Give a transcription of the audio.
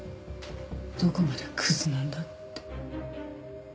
どこまでクズなんだって。